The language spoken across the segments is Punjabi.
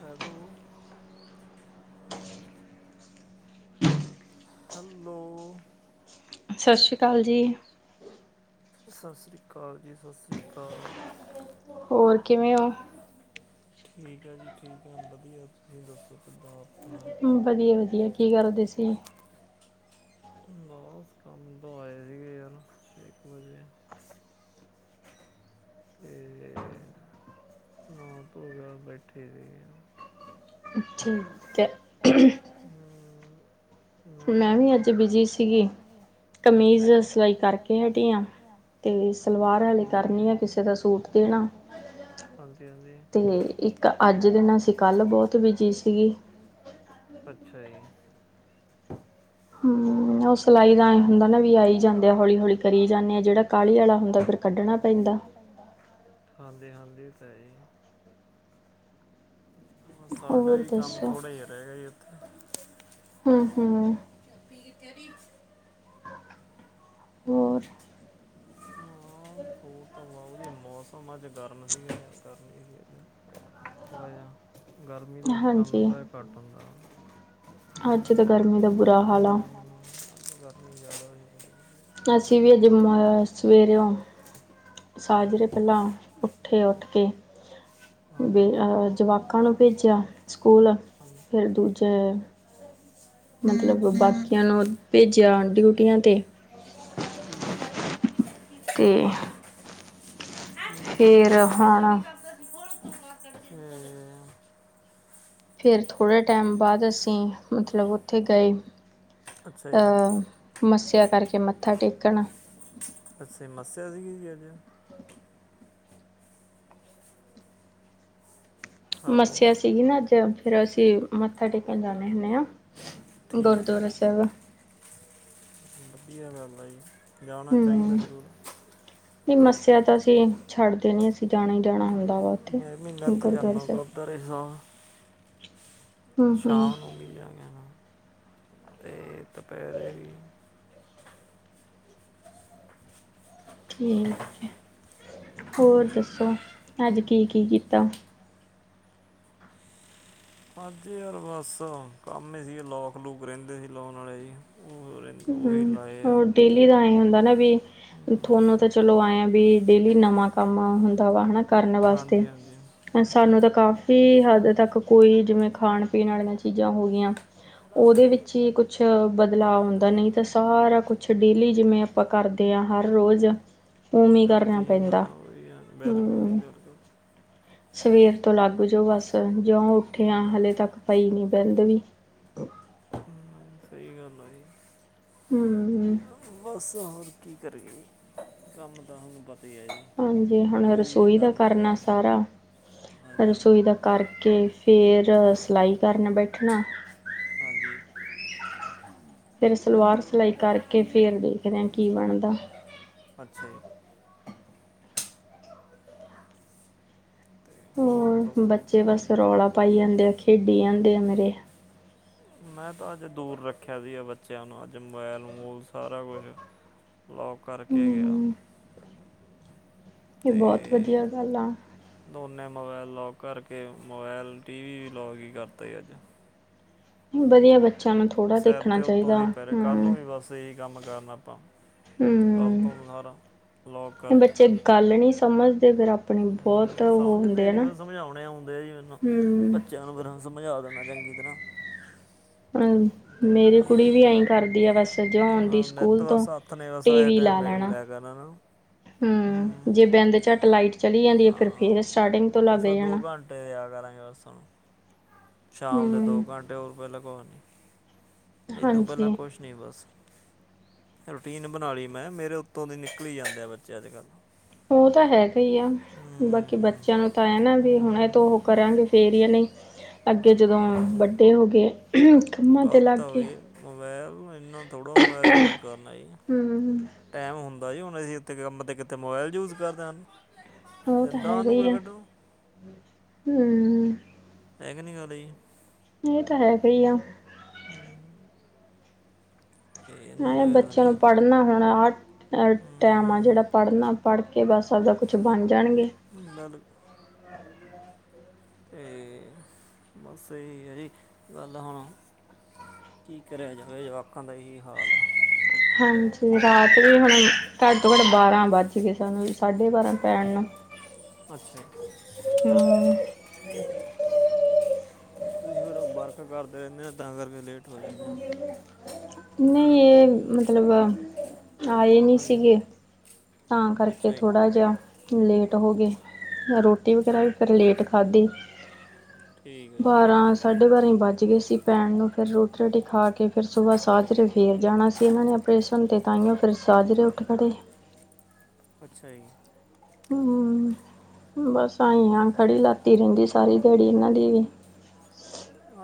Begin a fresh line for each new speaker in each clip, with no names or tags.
ਹੈਲੋ ਹੈਲੋ
ਸਤਿ ਸ਼੍ਰੀ ਅਕਾਲ ਜੀ
ਸਤਿ ਸ਼੍ਰੀ ਅਕਾਲ ਜੀ, ਸਤਿ ਸ਼੍ਰੀ ਅਕਾਲ।
ਹੋਰ ਕਿਵੇਂ ਹੋ?
ਠੀਕ ਆ ਜੀ ਠੀਕ ਹੈ ਵਧੀਆ ਤੁਸੀਂ ਦੱਸੋ ਕਿੱਦਾਂ ਆਪਣਾ
ਵਧੀਆ ਵਧੀਆ ਕੀ ਕਰਦੇ ਸੀ?
ਬਸ ਕੰਮ ਤੋਂ ਆਏ ਹੈਗੇ ਯਾਰ ਇੱਕ ਵਜੇ ਤੇ, ਨਾਹ ਧੋ ਕੇ ਆਵਦਾ ਬੈਠੇ ਹੈਗੇ ਆ
ਠੀਕ ਹੈ
ਹਾਂ ਮੈਂ ਕਿਹਾ, ਮੈਂ ਵੀ ਅੱਜ ਬਿਜੀ ਸੀਗੀ। ਅੱਛਾ
ਕਮੀਜ਼
ਜੀ [unintelligible] ਠੀਕ
ਸਿਲਾਈ
ਏ
ਕਰਕੇ
ਸਲਵਾਰ
ਹਟੀ ਹਾਂ
ਅਜੇ ਕਰਨੀ ਕਿਸੇ ਦਾ ਸੂਟ ਦੇਣਾ। ਹਜੀ- ਹਾਂਜੀ,
ਤੇ ਇੱਕ ਦੇਣਾ
ਅੱਜ
ਸੀ ਕੱਲ੍ਹ
ਬਨਾਤੇ ਕੱਲ ਬਹੁਤ
ਸੀਗੀ
ਬਿਜੀ ਸੀਗੇ। ਅੱਛਾ ਜੀ।
ਹਮ ਮਮ
ਹਮ, ਉਹ ਸਿਲਾਈ ਦਾ ਕੰਮ- ਧੰਦਾ ਕਰੀ ਜਾਂਦੇ ਆ ਹੌਲੀ- ਹੌਲੀ
ਜਿਹੜਾ
ਕਰੀ ਜਾਂਦੇ,
ਕਾਹਲੀ ਵਾਲਾ
ਜਿਹੜਾ ਕੱਢ੍ਹ
ਹੁੰਦਾ
ਕੱਢਣ ਵਾਲਾ ਹੁੰਦਾ
ਕੱਢਣਾ
ਫਿਰ
ਪੈਂਦਾ
ਕੱਢਣਾ ਪੈਂ ਜਾਂਦਾ। ਹਾਂਜੀ- ਹਾਂਜੀ ਇਹ ਤਾ ਹੈ ਹੀ। ਬਸ ਸਾਡਾ
ਹੋਰ
ਵੀ ਕੰਮ
ਦੱਸੋ
ਥੋੜ੍ਹਾ ਜਿਹਾ ਰਹਿਗਾ ਜੀ ਉੱਥੇ
ਹਮ ਹਮ
[unintelligible] ਜੀ
ਹੋਰ
ਹੋਰ ਤਾਂ ਬਹੁਤ ਵਧੀਆ ਮੌਸਮ ਅੱਜ ਗਰਮ ਸੀ ਗਰਮੀ ਸੀ। [inaudible] ਥੋੜਾ ਜਿਹਾ, ਗਰਮੀ ਦੇ ਵਿੱਚ ਕੰਮ
ਹਾਂਜੀ
ਥੋੜਾ ਜ ਘੱਟ ਹੁੰਦਾ ਵ
ਹਾਂ
ਅੱਜ ਤਾਂ ਗਰਮੀ ਦਾ ਬੁਰਾ ਹਾਲ ਏ, ਗਰਮੀ ਜ਼ਿਆਦਾ ਐ।
ਅਸੀਂ ਵੀ ਅਜੇ ਮ ਸਵੇਰੇਓ,
ਸੀ
ਸਾਜ
ਹਾਂਜੀ
ਰਹੇ ਪਹਿਲਾਂ ਉੱਠੇ ਉੱਠ ਕੇੇ,
ਹਾਂਜੀ
ਜਵਾਕਾਂ ਨੂੰ ਭੇਜਿਆ ਸਕੂਲ
ਹੰ [unintelligible]
ਫਿਰ ਦੂਜੇ ਮਤਲਬ
ਅੱਛਾ ਜੀ।
ਬਾਕੀਆਂ ਨੂੰ ਭੇਜਿਆ ਡਿਊਟੀਆਂ 'ਤੇ।
ਹਮ
ਅਤੇ ਫਿਰ ਹੁਣ
ਹਮ [unintelligible]
ਫਿਰ ਥੋੜ੍ਹੇ ਜੇ ਟਾਈਮ ਬਾਅਦ ਅਸੀਂ, ਮਤਲਬ ਉੱਥੇ ਗਏ।
ਅੱਛਾ ਜੀ
ਅਹ ਮੱਸਿਆ ਕਰਕੇ ਮੱਥਾ ਟੇਕਣ
ਅੱਛਾ ਮੱਸਿਆ ਸੀਗੀ ਜੀ ਅੱਜ। ਹਲੋ
ਮੱਸਿਆ ਸੀਗੀ ਨਾ ਅੱਜ, ਫੇਰ ਅਸੀਂ ਮੱਥਾ ਟੇਕਣ ਜਾਂਨੇ ਹੁੰਨੇ ਆ।
ਠੀਕ ਐ ਜੀ, ਵਧੀਆ ਗੱਲ ਆ ਜੀ। ਜਾਣਾ
ਹਮ,
ਚਾਹੀਦਾ ਜ਼ਰੂਰ
ਨਹੀ ਮੱਸਿਆ ਤਾਂ ਅਸੀਂ ਛੱਡਦੇ ਨੀ ਅਸੀਂ ਜਾਣਾ ਈ ਜਾਣਾ ਹੁੰਦਾ ਵਾ ਉੱਥੇ ਗੁਰਦੁਆਰਾ ਸਾਹਿਬ।
ਦਰੇਸਾਂ
ਹੂੰ ਹੂੰ
ਸ਼ਾਮ ਨੂੰ ਮ ਜਾ ਗਿਆ [unintelligible] ਅਤੇ ਦੁਪਹਿਰੇ ਵੀ
ਠੀਕ ਐ, ਹੋਰ ਦੱਸੋ ਅੱਜ ਕੀ- ਕੀ ਕੀਤਾ।
ਅੱ ਯਾਰ ਬਸ ਕੰਮ ਹੀ ਸੀਗੇ, ਲੋਕ ਲੂਕ ਰਹਿੰਦੇ ਸੀ ਲਾਉਣ ਵਾਲੇ ਜ ਉਹ ਰਿੰ ਉਹੀ
ਹੂੰ
ਲਾਏ ਆ।
ਹੋਰ ਡੇਲੀ ਦਾ ਏਅ ਹੁੰਦਾ ਨਾ ਵੀ। ਤੁਹਾਨੂੰ
ਹਮ,
ਤਾਂ ਚਲੋ ਆਏਆ ਵੀ ਡੇਲੀ ਨਵਾਂ ਕੰਮ ਹੁੰਦਾ ਵਾ ਹਨਾ ਕਰਨ ਵਾਸਤੇ।
ਹਾਂਜੀ ਹਾਂਜੀ
ਸਾਨੂੰ ਤਾਂ ਕਾਫ਼ੀ ਹੱਦ ਤੱਕ ਕੋਈ ਜਿਵੇਂ ਖਾਣ ਪੀਣ ਵਾਲੀਆਂ ਚੀਜ਼ਾਂ ਹੋ ਗਈਆਂ। ਉਹਦੇ ਵਿੱਚ ਈ ਕੁਛ ਬਦਲਾਵ ਹੁੰਦਾ। ਦਾ ਨਹੀਂ ਤਾਂ ਸਾਰਾ ਕੁਛ ਡੇਲੀ ਜਿਵੇਂ ਆਪਾਂ ਕਰਦੇ ਆ ਹਰ ਰੋਜ਼ ਉਵੇਂ ਕਰਨਾ
ਰੁਟੀਨ ਆ
ਪੈਂਦਾ।
ਉਹੀ ਆ ਬਿਲਕੁਲ ਜੀ
ਹਮ
ਬਿਲਕੁਲ
ਸਵੇਰ ਤੋਂ ਲੱਗ ਜਾਓ ਬਸ, ਜਿਉਂ ਉੱਠੇ ਆ
ਹਾਂਜੀ
ਹਲੇੇ ਤੱਕ ਪਈ ਨੀ ਬਹਿੰਦ ਵੀ।
ਹਮ ਸਹੀ ਗੱਲ ਆ ਜੀ।
ਹਮ ਹਮ।
ਬਸ ਹੋਰ ਕੀ ਕਰੀਏ ਜੀ, ਕੰਮ ਤਾਂ ਹੁਣ ਪਤਾ ਈ ਐ ਜੀ।
ਹਾਂਜੀ, ਹੁਣ
ਕੋਈ ਵੀ ਇਹ
ਰਸੋਈ ਦਾ
ਹੀ ਆ
ਕਰਨਾ ਸਾਰਾ
ਹਾਂਜੀ
ਰਸੋਈ ਦਾ ਕਰਕੇ, ਫਿਰ ਸਿਲਾਈ ਕਰਨ ਬੈਠਣਾ।
ਹਾਂਜੀ
ਫਿਰ ਸਲਵਾਰ ਸਿਲਾਈ ਕਰਕੇ, ਫੇਰ ਦੇਖਦੇ ਆ ਕੀ ਬਣਦਾ।
ਅੱਛਾ ਜੀ। ਤੇ ਹੋਰ
ਹੂੰ,
ਦੱਸੋ ਕੋਈ
ਬੱਚੇ ਬਸ
ਨਵੀਂ ਤਾਜੀ
ਰੌਲਾ ਪਾਈ ਜਾਂਦੇ ਆ, ਖੇਡੀ ਜਾਂਦੇ ਆ ਮੇਰੇ।
ਮੈਂ ਤਾਂ ਅੱਜ ਦੂਰ ਰੱਖਿਆ ਵੀ ਐ ਬੱਚਿਆਂ ਨੂੰ। ਅੱਜ ਮੋਬੈਲ-ਮਬੂਲ ਸਾਰਾ ਕੁਛ ਲੌਕ ਕਰਕੇ ਗਿਆ
ਹੂੰ ਇਹ ਬਹੁਤ
ਤੇ
ਵਧੀਆ ਗੱਲ ਆ
ਦੋਨੇ ਮੋਬਾਇਲ ਲੌਕ ਕਰਕੇ। ਮੋਬਾਇਲ, ਟੀ ਵੀ, ਵੀ ਲੌਕ ਈ ਕਰਤਾ ਈ ਅੱਜ।
ਹੁੰਦਾ ਵੀ ਆ ਬੱਚਿਆਂ ਨੂੰ
ਤੇ
ਥੋੜਾ
ਸੈਦ
ਦੇਖਣਾ
ਦੇ ਉੱਤੋਂ
ਚਾਹੀਦਾ
ਦੀ ਪੈ ਰਿਹਾ। ਕੱਲ ਨੂੰ
ਹੂੰ
ਵੀ ਬਸ ਇਹੀ ਕੰਮ ਕਰਨਾ ਆਪਾਂ। ਕੱਲ੍ਹ
ਹੂੰ
ਤੋਂ ਹੁਣ ਆਰਾ, ਬਲੌਗ ਕਰ
ਨਹੀਂ-ਨਹੀਂ ਸਮਝਦੇ ਫਿਰ ਆਪਣੀ
ਹਮ, ਨਹੀਂ ਸਮਝਦੇ ਨੀ। ਫਿਰ ਸਮਝਾਉਣੇ ਆਉਂਦੇ ਜੀ ਮੈਨੂੰ।
ਹਮ
ਬੱਚਿਆਂ ਨੂੰ ਫਿਰ ਸਮਝਾਂ ਦੇਨਾਂ ਚੰਗੀ ਤਰ੍ਹਾਂ।
ਹਮ, ਮੇਰੀ
ਤੇ
ਕੁੜੀ ਵੀ ਐਈ ਕਰਦੀ ਆ ਬਸ ਤੇ ਜਿਓ ਆਉਦੀ ਸਕੂਲ 'ਤੋਂ। ਟੀਵੀ ਲਾ ਲੈਣਾ
ਹੂੰ
ਹਮ, ਜੇ ਬਿੰਦ-ਝੱਟ ਲਾਈਟ ਚਲੀ ਜਾਂਦੀ ਐ। ਫਿਰ, ਫੇਰ ਸਟਾਟਿੰਗ ਤੋਂ ਲੱਗ ਜਾਣਾ।
ਟੇ ਦਿਆਂ ਕਰਾਂਗੇ, ਬਸ ਹੁਣ। ਸ਼ਾਮ ਦੇ
ਹਮ
ਦੋ ਘੰਟੇ, ਉਦੋਂ ਪਹਿਲੇ ਕੁਹ ਨੀ। ਤੇ ਇਹਦੋ ਪਹਿਲਾਂ
ਹਾਂਜੀ
ਕੁਛ ਨੀ ਬਸ। ਰੂਟੀਨ ਬਣਾਲੀ ਮੈਂ। ਮੇਰੇ ਉੱਤੋਂ ਦੀ ਨਿਕਲੀ ਜਾਂਦੇ ਆ ਬੱਚੇ ਅੱਜ-ਕੱਲ੍ਹ।
ਉਹ ਤਾਂ ਹੈਗਾ ਈ ਆ। ਬਾਕੀ ਬੱਚ
ਹੂੰ
ਬੱਚਿਆਂ ਨੂੰ ਤਾਂ ਐ ਨਾ। ਵੀ
ਹੂੰ
ਹੁਣ, ਐਥੋਂ ਉਹ ਕਰਾਂਗੇ ਫੇਰ ਈ ਐ। ਨਹੀਂ ਅੱਗੇ ਜਦੋਂ ਵੱ ਡੇ ਹੋਗੇ।
ਗ਼ਲਤ ਆ ਵੇ। ਮੋਬਾਇਲ ਨੂੰ ਏਨਾ ਥੋੜ੍ਹਾ, ਮੋਬਾਇਲ ਯੂਜ਼ ਕਰਨਾ ਜੀ।
ਹਮ
ਟੈਂਮ ਹੁੰਦਾ ਜੀ। ਹੁਣ ਅਸੀ ਇਥੇ ਕੀ ਮਲਬ ਕਿ ਇੱਥੇ ਮੋਬਾਇਲ ਯੂਜ਼ ਕਰਨਾ ਹੁਣ।
ਉਹ ਤਾਂ
ਦੇਂਦਾ ਉਹਨੂੰ ਕੋਈ ਕੱਢਣ ਨੂੰ।
ਨਹੀਂ।
ਪੈਕ ਨੀ ਉਹ ਲ‌ਈ।
ਇਹ ਤਾਂ ਹੈ, ਸਹੀ ਆ।
ਇਹ ਇਹਨਾਂ
ਹ
ਨੇ ਪਤਾ
ਬੱਚਿਆਂ ਨੂੰ
ਨਹੀਂ
ਪੜ੍ਹ ਪੜ੍ਹਨਾ ਹੁਣ ਆ ਆਹ ਟੈਮ ਆ।
ਹਮ,
ਜਿਹੜਾ ਪੜ੍ਹਨਾ, ਪੜ੍ਹ ਕੇ ਬਸ ਆਪਦਾ ਕੁਛ ਬਣ ਜਾਂਣਗੇ।
ਹੁਣ ਲਾਲੋ ਤੇ ਬਸ ਏਈ ਐ ਜੀ ਗੱਲ ਹੁਣ। ਕੀ ਕਰਿਆ ਜਾਵੇ, ਜਵਾਕਾਂ ਦਾ ਇਹੀ ਹਾਲ ਆ।
ਹਾਂਜੀ। ਰਾਤ ਵੀ ਹੁਣ ਘੱਟ ਤੋਂ ਘੱਟ ਬਾਰਾਂ ਵੱਜਗੇ। ਸਾਨੂੰ ਸਾਢੇ ਬਾਰਾਂ ਪੈਣ ਨੂੰ।
ਅੱਛਾ ਜੀ।
[inaudible]
ਤੁਸੀਂ ਫਿਰ ਬਰਕ ਕਰਦੇ ਰਹਿੰਦੇ ਓ ਤਾਂ ਕਰਕੇ ਲੇਟ ਹੋ ਜਾਂਦੇ ਹੋ
ਨਹੀਂ ਇਹ ਮਤਲਬ, ਆਏ ਨੀ
ਹਾਂਜੀ
ਸੀਗੇ ਤਾਂ ਕਰਕੇ
ਅੱਛਾ ਜੀ
ਥੋੜ੍ਹਾ ਜਿਹਾ, ਕੀ ਲੇਟ ਹੋਗੇ। ਰੋਟੀ
ਅੱਛਾ
ਵਗੈਰਾ
ਜੀ
ਵੀ ਫਿਰ ਲੇਟ ਖਾਧੀ।
ਠੀਕ ਆ ਜੀ।
ਬਾਰਾਂ, ਸਾਢੇ ਬਾਰਾਂ ਈ ਵੱਜਗੇ ਸੀ ਪੈਣ ਨੂੰ। ਫਿਰ ਰੋਟੀ-ਰੂਟੀ ਖਾ ਕੇ, ਫਿਰ ਸੁਬਾਹ ਸਾਜਰੇ ਫੇਰ ਜਾਣਾ ਸੀ। ਇਹਨਾਂ ਨੇ ਆਪ ਕਿ੍ਸ਼ਨ ਤੇ ਤਾਈਉ ਫਿਰ ਸਾਜਰੇ ਉੱਠ ਖੜੇ।
ਅੱਛਾ ਜੀ।
ਹਮ, ਬਸ ਆਂਈ ਆ। ਖੜੀ ਲੱਤ ਈ ਰਹਿੰਦੀ ਸਾਰੀ ਦਿਹਾੜੀ ਇਹਨਾਂ ਦੀ ਵੀ।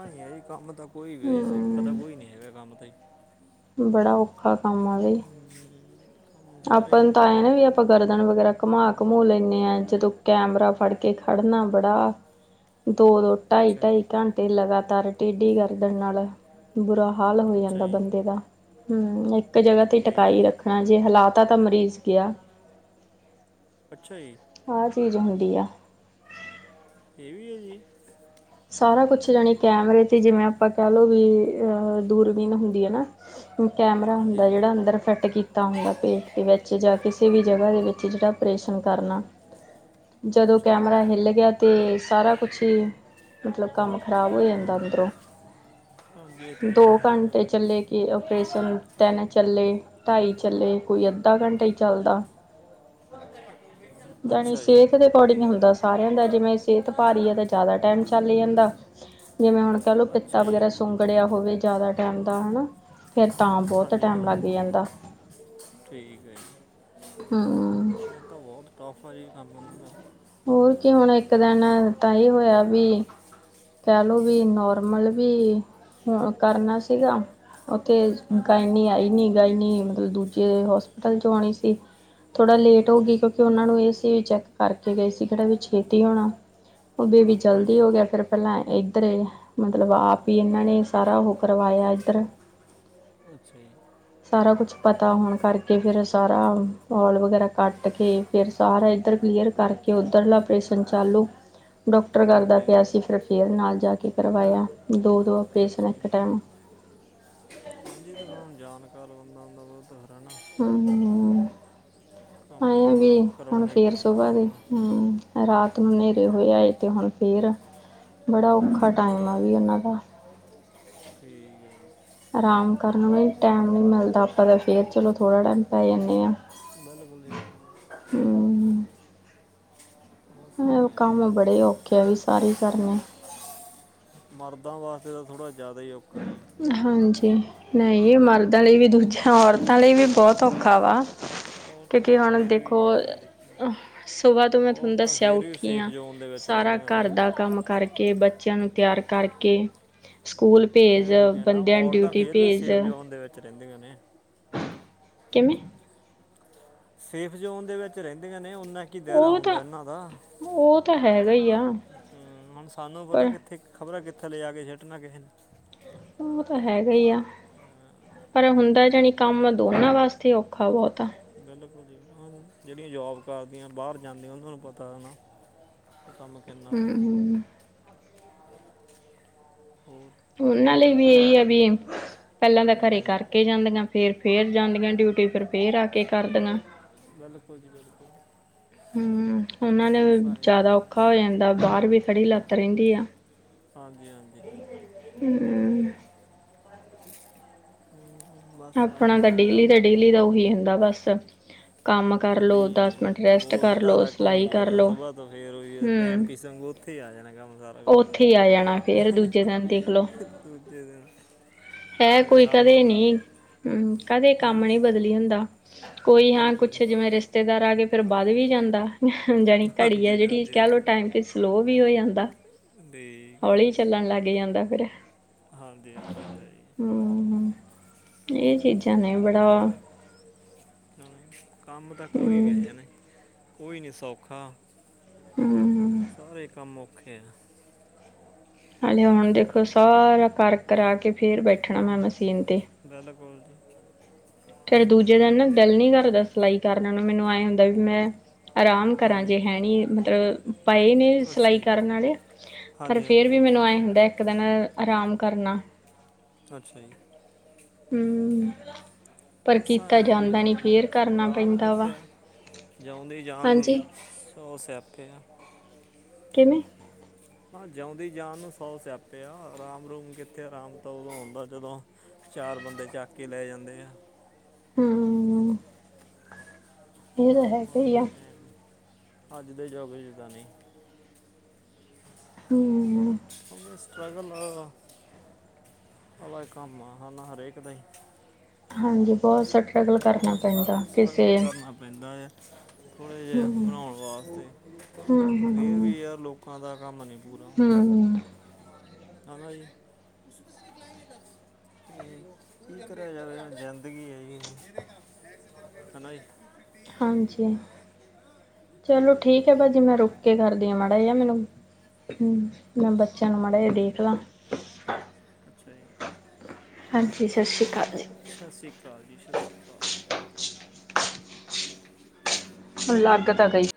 ਆਂਈ ਆ ਜੀ। ਕੰਮ ਤਾਂ ਕੋਈ ਵੀ ਆ ਜੀ, ਸੌਖਾ ਤਾਂ
ਹਮ,
ਕੋਈ ਨੀ ਹੈਗਾ ਕੰਮ ਤੇ।
ਬੜਾ ਔਖ
[inaudible]
ਆਪਾਂ
ਹੀ
ਨੂੰ ਤਾਂ ਆਇ ਨਾ ਵੀ ਆਪਾਂ ਗਰਦਨ ਵਗੈਰਾ ਘੁੰਮਾ-ਘੰਮੂ ਲੈਂਨੇ ਆ ਜਦੋਂ ਕੈਮਰਾ ਫੜ ਕੇ ਖੜਨਾ ਬੜਾ ਦੋ-ਦੋ
ਅੱਛਾ ਜੀ
ਢਾਈ-ਢਾਈ ਘੰਟੇ ਲਗਾਤਾਰ ਟੇਢੀ ਗਰਦਨ ਨਾਲ ਬੁਰਾ ਹਾਲ ਹੋ
ਅੱਛਾ
ਜਾਂਦਾ
ਜੀ
ਬੰਦੇ ਦਾ, ਹਮ, ਇੱਕ ਜਗ੍ਹਾ ਤੇ
ਠੀਕ
ਟਕਾਈ
ਹੈ
ਰੱਖਣਾ ਜੇ ਹਲਾ ਮਰੀਜ਼ ਗਿਆ,
ਅੱਛਾ ਜੀ
ਆਹ ਚੀਜ਼ ਹੁੰਦੀ ਆ।
ਏ ਵੀ ਐ, ਜੀ?
ਸਾਰਾ ਕੁਛ ਯਾਂਣੀ ਕੈਮਰੇ 'ਤੇ ਜਿਵੇਂ ਆਪਾਂ ਕਹਿ ਲਓ ਵੀ ਅਹ ਦੂਰਬੀਨ ਹੁੰਦੀ ਐ ਨਾ। ਕੈਮਰਾ
ਹਾਂਜੀ
ਹੁੰਦਾ
ਹਾਂਜੀ
ਜਿਹੜਾ ਅੰਦਰ ਫਿੱਟ ਕੀ ਦਾ ਹੁੰਦਾ, ਪੇਟ ਦੇ ਵਿੱਚ ਜਾਂ ਕਿਸੇ ਵੀ ਜਗ੍ਹਾ ਦੇ ਵਿੱਚ ਜਿਹੜਾ ਆਪਓਰੇਸ਼ਨ ਕਰਨਾ। ਜਦੋਂ
ਅੱਛਾ ਜੀ
ਕੈਮਰਾ ਹਿੱਲ ਗਿਆ ਤੇ ਸਾਰਾ ਕੁਛ ਹੀ ਮਤਲਬ ਕੰਮ ਖਰਾਬ ਹੋ ਜਾਂਦਾ ਅੰਦਰੋਂ,
ਹਾਂਜੀ ਇਹ ਤਾਂ ਹੈ
ਦੋ
ਜੀ ਇਹ ਗੱਲ
ਘੰਟੇ
ਹੈ ਜੀ
ਚੱਲੇ ਕੇ ਔਪਰੇਸ਼ਨ ਤਿੰਨ ਚੱਲੇ ਢਾਈ ਚੱਲੇ, ਕੋਈ ਅੱਧਾ ਘੰਟਾ ਈ ਚੱਲਦਾ। ਜਾਣੀ
ਅੱਛਾ ਜੀ
ਸਿਹਤ ਦੇ ਅਕੋਰਡਿੰਗ ਹੁੰਦਾ ਸਾਰਿਆਂ ਦਾ, ਜਿਵੇਂ ਸਿਹਤ ਭਾਰੀ ਐ ਤੇ ਜ਼ਿਆਦਾ ਟਾਈਮ 'ਚ ਚੱਲ ਜਾਂਦਾ, ਜਿਵੇਂ ਹੁਣ ਕਹਿ ਲੋ,
ਅੱਛਾ
ਪਿੱਤਾ
ਜੀ
ਵਗੈਰਾ ਸੁੰਗੜਿਆ ਹੋਵੇ ਜਿਆਦਾ ਟਾਈਮ ਦਾ, ਹਨਾ? ਫੇਰ ਤਾਂ ਬੌਤ
ਹਾਂਜੀ
ਟਾਈਮ
ਹਾਂਜੀ
ਲੱਗ ਜਾਂਦਾ।
ਠੀਕ ਐ ਜੀ,
ਹੂੰ
ਫੇਰ ਤਾਂ ਬਹੁਤ ਟਫ਼ ਆ ਜੀ ਕੰਮ ਉਹਨਾਂ ਦਾ।
ਹੋਰ ਕੀ ਹੁਣ ਇੱਕ ਦਿਨ ਤਾਂ ਇਹ ਹੋਇਆ ਵੀ ਕਹਿ ਲਓ ਵੀ, ਨੋਰਮਲ ਵੀ ਹੋ ਕਰਨਾ ਸੀਗਾ। ਉੱਥੇ
ਹਾਂਜੀ
ਗਾਇਨੀ ਆਈ ਨੀ, ਗਾਇਨੀ ਮਤਲਬ ਦੂਜੇ ਹੋਸਪੀਟਲ 'ਚੋਂ ਆਉਣੀ ਸੀ। ਥੋੜ੍ਹਾ ਲੇਟ ਹੋ ਗਈ,
ਹਾਂਜੀ
ਕਿਉਂਕਿ ਉਹਨਾਂ ਨੂੰ ਇਹ ਸੀ ਵੀ ਚੈੱਕ ਕਰਕੇ ਗਈ ਸੀ, ਕਿਹੜਾ ਵੀ ਛੇਤੀ ਹੋਣਾ। ਬੇਬੀ ਜਲਦੀ
ਹਾਂਜੀ
ਹੋ ਗਿਆ, ਫੇਰ ਪਹਿਲਾਂ ਇਧਰ, ਮਤਲਬ, ਆਪ ਹੀ ਇਹਨਾਂ ਨੇ ਸਾਰਾ ਉਹੋ ਕਰਵਾਇਆ ਇਧਰ।
ਅੱਛਾ ਜੀ।
ਸਾਰਾ ਕੁਛ ਪਤਾ ਹੋਣ ਕਰਕੇ, ਫੇਰ ਸਾਰਾ ਔਲ ਵਗੈਰਾ ਕੱਟ ਕੇ ਫੇਰ ਸਾਰਾ ਇੱਧਰ ਕਲੀਅਰ ਕਰਕੇ, ਉਧਰਲਾ ਆਪਰੇਸ਼ਨ ਚਾਲੂ
[inaudible]
ਡਾਕਟਰ ਕਰਦਾ
ਹਾਂਜੀ
ਪਿਆ
ਹਾਂਜੀ
ਸੀ, ਫੇਰ ਫੇਰ ਨਾਲ ਜਾ ਕੇ ਕਰਵਾਇਆ, ਦੋ-ਦੋ ਆਪਰੇਸ਼ਨ
ਅੱਛਾ
ਇੱਕ
ਜੀ
ਟਾਈਮ
ਹਾਂਜੀ ਹੁਣ ਜਾਣਕਾਰ ਬੰਦਾ ਹੁੰਦਾ ਉਹਤਾ ਫਿਰ ਹਨਾ
ਹਮ, ਹੋਰ ਵੀ
ਕੰਮ
ਹੁਣ
ਕਰਾਉਣਾ ਹੀ
ਫੇਰ
ਪੈਂਦਾ
ਸੁਬਾਹ
ਉਹਨਾਂ
ਲਈ
ਦਾ
ਰਾਤ ਨੂੰ ਹਨੇਰੇ ਹੋਏ ਆਏ, ਤੇ ਹੁਣ ਫੇਰ ਬੜਾ
ਅੱਛਾ
ਔਖਾ
ਜੀ
ਟਾਈਮ ਆ ਵੀ ਇਹਨਾਂ ਦਾ।
[unintelligible]
ਆਰਾਮ ਕਰਨ ਲਈ ਟਾਈਮ ਨਹੀਂ ਮਿਲਦਾ, ਆਪਾਂ ਤਾਂ ਫੇਰ, ਚਲੋ, ਥੋੜ੍ਹਾ ਟਾਈਮ ਪੈ ਜਾਂਨੇ ਆਂ।
ਬਿਲਕੁਲ ਜੀ ਬਿਲਕੁਲ। ਬਸ
ਪਰ
ਆਈ ਆ
ਕੰਮ
ਜੀ
ਬੜੇ ਔਖੇ ਆ ਜੀ ਸਾਰੇ ਹੀ ਕਰਨੇ।
ਮਰਦਾਂ ਵਾਸਤੇ ਤਾਂ ਥੋੜਾ ਜਿਆਦਾ ਹੀ ਔਖਾ ਜੀ।
ਹਾਂਜੀ। ਨਹੀ ਜੀ, ਮਰਦਾਂ ਲਈ ਵੀ ਦੂਜਿਆਂ ਔਰਤਾਂ ਲਈ ਵੀ ਬਹੁਤ ਔਖਾ ਵਾ।
ਨਹੀਂ ਔਰਤਾਂ
ਕਿਉਂਕਿ
ਦਾ
ਹੁਣ
ਫੇਰ
ਦੇਖੋ,
ਵੀ ਹੈ ਨਾ ਦੇਖੋ
ਅਅ ਸੁਬਾਹ ਤੋਂ ਮੈਂ ਤੁਹਾਨੂੰ
ਔਰਤਾਂ
ਦੱਸਿਆ
ਫੇਰ ਵੀ
ਉੱਠੀ
ਸੇਫ
ਆ।
ਜ਼ੋਨ ਦੇ ਵਿੱਚ
ਸਾਰਾ
ਰਹਿੰਦੀਆਂ ਨੇ
ਘਰ ਦਾ ਕੰਮ ਕਰਕੇ, ਬੱਚਿਆਂ ਨੂੰ ਤਿਆਰ ਕਰਕੇ, ਸਕੂਲ
ਮੈਂ
ਭੇਜ
ਉਹੀ ਕਹਿੰਨਾ
ਬੰਦਿਆਂ ਨੂੰ
ਔਰਤਾਂ
ਡਿਊਟੀ
ਫੇਰ ਵੀ
ਭੇਜ
ਸੇਫ ਜ਼ੋਨ ਦੇ ਵਿੱਚ ਰਹਿੰਦੀਆਂ ਨੇ।
ਕਿਵੇਂ?
ਸੇਫ ਜ਼ੋਨ ਦੇ ਵਿੱਚ ਰਹਿੰਦੀਆਂ ਨੇ, ਓਨਾ ਕੀ ਦਾਇਰਾ
ਉਹ
ਹੁੰਦਾ
ਤਾਂ
ਇਹਨਾਂ ਦਾ।
ਉਹ ਤਾਂ ਹੈਗਾ ਈ ਆ।
ਹਮ, ਹੁਣ ਸਾਨੂੰ ਪਤਾ
ਪਰ
ਕਿੱਥੇ ਖਬਰਾਂ ਕਿੱਥੇ ਲਜਾ ਕੇ ਸਿੱਟਣਾ ਕਿਸੇ ਨੇ।
ਉਹ ਤਾਂ ਹੈਗਾ ਈ ਆ। ਪਰ ਹੁੰਦਾ ਜਾਣੀ ਕੰਮ ਦੋਨਾਂ ਵਾਸਤੇ ਔਖਾ ਬਹੁਤ ਆ।
ਬਿਲਕੁਲ ਜੀ, ਜਿਹੜੀਆਂ ਜੋਬ ਕਰਦੀਆਂ ਬਾਹਰ ਜਾਂਦੀਆਂ ਉਹਨਾਂ ਨੂੰ ਪਤਾ ਐ ਨਾ, ਕੇ ਕੰਮ ਕਿੰਨਾ
ਹਮ
ਔਖਾ
ਹਮ
ਹੋਰ
ਉਹਨਾ ਲਈ ਵੀ ਇਹੀ ਆ ਵੀ, ਪਹਿਲਾਂ ਤਾ ਘਰੇ
ਹਾਂਜੀ
ਕਰ ਕੇ ਜਾਂਦੀਆਂ, ਫੇਰ- ਫੇਰ ਜਾਂਦੀਆਂ ਡਿਊਟੀ, ਫਿਰ, ਫੇਰ ਆ ਕੇ ਕਰ ਦੀਆਂ।
ਬਿਲਕੁਲ ਜੀ ਬਿਲਕੁਲ
ਹਮ, ਉਹਨਾਂ ਨੇ
ਬਸ ਆਹੀ
ਜਿਆਦਾ
ਹੈ
ਔਖਾ ਹੋ ਜਾਂਦਾ ਬਾਹਰ ਵੀ ਖੜੀ ਲੱਤ ਰਹਿੰਦੀ ਆ।
ਹਾਂਜੀ ਹਾਂਜੀ
ਹਮ
ਹਮ, ਬਸ
ਆਪਣਾ
ਆਹੀ
ਤਾਂ
ਹੈ ਜੀ
ਡੇਲੀ
ਗੱਲ
ਦਾ, ਡੇਲੀ ਦਾ ਉਹੀ ਹੁੰਦਾ ਬਸ, ਕੰਮ ਕਰ ਲਓ
ਰੁਟੀਨ ਆ ਜੀ,
ਮਿੰਟ ਰੈਸਟ
ਗੋਲ-
ਕਰ ਲਓ
ਕਧਾਰਾ
ਸਿਲਾਈ
ਘੁੰਮੀ
ਕਰ
ਜਾਂਦਾ
ਲਓ
ਸੁਬਾਹ ਤੋਂ ਫੇਰ ਉਹੀ ਆ
ਹਮ
ਟੈਮਪੀਸ ਆਂਗੂ ਉੱਥੇ ਆ ਜਾਣਾ ਕੰਮ ਸਾਰਾ ਕੁਛ
ਉੱਥੇ ਹੀ ਆ ਜਾਣਾ ਫੇਰ
ਹੀਹੀਹੁ
ਦੂਜੇ ਦਿਨ ਦੇਖ ਲਓ
ਐ ਦੂਜੇ ਦਿਨ
ਇਹ
ਕਹਿੰਦੇ
ਕੋਈ
ਸਾਨੂੰ
ਕਦੇ
ਨੂੰ
ਨੀ ਹਮ ਕਦੇ ਕੰਮ
ਹਾਂਜੀ
ਨਹੀਂ ਬਦਲੀ ਹੁੰਦਾ। ਕੋਈ ਹਾਂ
ਬਿਲਕੁਲ ਜੀ
ਕੁੱਛ ਜਿਵੇਂ ਰਿਸ਼ਤੇਦਾਰ ਆ ਗਏ ਫੇਰ ਵੱਧ ਵੀ ਜਾਂਦਾ। ਜਾਣੀ ਘੜੀ ਆ
ਹਾਂਜੀ
ਜਿਹੜੀ,
ਹਾਂਜੀ
ਕਹਿ ਲਓ ਟਾਈਮ ਤੇ ਸਲੋਅ ਵੀ ਹੋ ਜਾਂਦਾ।
ਠੀਕ ਹੈ ਜੀ।
ਹੌਲੀ ਚੱਲਣ ਲੱਗ ਜਾਂਦਾ ਫੇਰ
ਹਾਂਜੀ ਹਾਂਜੀ ਇਹ ਤਾ ਹੈਈ।
ਹੂੰ-ਹੂੰ, ਇਹ ਚੀਜ਼ਾਂ ਨੇ ਬੜਾ
ਤੇ ਕੰਮ ਤਾਂ ਕੋਈ ਵੀ ਆ
ਹਮ,
ਜਾਨੇ, ਕੋਈ ਨੀ ਸੌਖਾ।
ਹਮ
ਸਾਰੇ ਕੰਮ ਔਖੇ ਆ।
ਹਾਲੇ ਹੁਣ ਦੇਖੋ ਸਾਰਾ ਕਰ ਕਰਾ ਕੇ ਫੇਰ ਬੈਠਣਾ ਮੈਂ
ਹਮ,
ਮਸ਼ੀਨ ਤੇ,
ਬਿਲਕੁਲ ਜੀ
ਫਿਰ ਦੂਜੇ ਦਿਨ ਨਾ ਦਿਲ ਨੀ ਕਰਦਾ ਸਿਲਾਈ ਕਰਨ ਨੂੰ, ਮੈਨੂੰ ਐਏ ਹੁੰਦਾ ਵੀ ਮੈਂ ਆਰਾਮ ਕਰਾਂ
ਹਾਂਜੀ
ਜੇ ਹੈ ਨੀ ਮਤਲਬ ਪਏ ਨੇ
ਅੱਛਾ
ਸਿਲਾਈ
ਜੀ
ਕਰਨ ਆਲੇ ਪਰ
ਹਾਂਜੀ
ਫੇਰ ਵੀ
ਹਾਂਜੀ
ਮੈਨੂੰ ਐ ਹੁੰਦਾ ਇੱਕ ਦਿਨ ਆਰਾਮ ਕਰਲਾ।
ਅੱਛਾ ਜੀ।
ਹਮ
ਬਸਾਂ ਆਈ ਆ ਜੀ ਹਨਾ ਫਿਰ,
ਕਰਨਾ
ਰਾਮ
ਪੈਂਦਾ ਵਾ
ਕਿੱਥੇ ਆ। ਜਉਂਦੀ ਜਾਣ ਨੂੰ
ਹਾਂਜੀ
ਸੌ ਸਿਆਪੇ ਆ।
ਕਿਵੇਂ?
ਮਖਾ ਜਉਂਦੀ ਜਾਣ ਨੂੰ ਸੌ ਸਿਆਪੇ ਆ, ਰਾਮ- ਰੂਮ ਕਿੱਥੇ ਰਾਮ ਤਾਂ ਉਦੋਂ ਆਉਂਦਾ ਜਦੋਂ ਚਾਰ ਬੰਦੇ ਚੱਕ ਕੇ ਲੈ ਜਾਂਦੇ ਆ।
ਹੂੰਉਉਉ ਇਹ ਤੇ ਹੈ।
ਆਹ ਬੈਠੇ [inaudible] ਅੱਜ ਦੇ ਯੁੱਗ ਵਿੱਚ ਤਾਂ ਨੀ
ਹਮ
ਹੁਣ ਤੇ ਸਟਰਗਲ ਅ, ਆਲਾ ਕੰਮ ਆ ਹਨਾ ਹਰੇਕ ਦਾ ਈ।
ਹਾਂਜੀ ਬਹੁਤ ਸਟ
ਹਾਂ ਸਟਰੱਗਲ ਕਰਨਾ ਪੈਂਦਾ ਐ। ਥੋੜ੍ਹੇ ਜਿਹੇ
ਹੂੰ
ਬਣਾਉਣ ਵਾਸਤੇ, ਪਰ ਫਿਰ ਵੀ ਯਾਰ ਲੋਕਾਂ ਦਾ ਕੰਮ ਨਹੀਂ ਪੂਰਾ
ਹੂੰ- ਹੂੰ
ਖਾਣਾ ਜੇ। ਕੀ ਕਰਿਆ ਜਾਵੇ ਹੁਣ ਜ਼ਿੰਦਗੀ ਹੈਗੀ ਆ। ਹਨਾ ਏ।
ਹਾਂਜੀ। ਚੱਲੋ
ਤੇ
ਠੀਕ ਐ
ਹੋਰ
ਭਾਜੀ ਮੈਂ ਰੁ ਕੇ ਕਰਦੀ ਆ ਮਾੜਾ ਜਿਆ ਮੈਨੂੰ, ਹੂੰ ਮੈਂ ਬੱਚਿਆਂ ਨੂੰ ਮਾੜਾ ਜਿਆ ਦੇਖਲਾ।
ਅੱਛਾ ਜੀ।
ਹਾਂਜੀ, ਸ਼ਸ਼੍ਰੀ ਅਕਾਲ ਜੀ।
ਸ਼ਸ਼੍ਰੀ ਅਕਾਲ ਜੀ, ਸ਼ਸ਼੍ਰੀ ਅਕਾਲ।
ਹੁਣ ਲੱਗ ਤਾਂ ਗਈ।